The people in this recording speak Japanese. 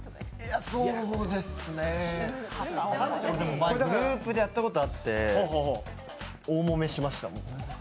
そうですね、グループでやったことあって、大もめしました。